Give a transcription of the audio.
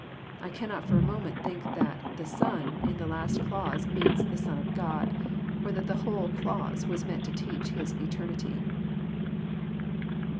I cannot for a mo ment think that << the Son " in the last clause means the Son of God, or that the whole clause was meant to teach His eternity.